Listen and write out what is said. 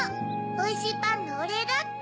おいしいパンのおれいだって。